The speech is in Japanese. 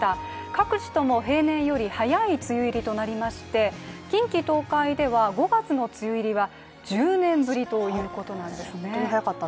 各地とも平年より早い梅雨入りとなりまして近畿、東海では、５月の梅雨入りは１０年ぶりということなんですね。